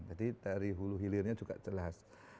dari hulu hilirnya juga jelas